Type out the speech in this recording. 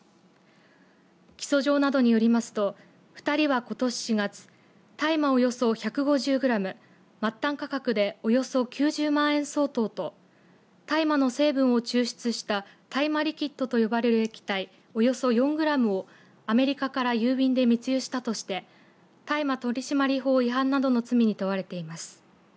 起訴状などによりますと２人はことし４月大麻およそ１５０グラム末端価格でおよそ９０万円相当と大麻の成分を抽出した大麻リキッドと呼ばれる液体およそ４グラムをアメリカから郵便で密輸したとして大麻取締法違反などの罪に問われています。